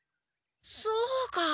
そうか。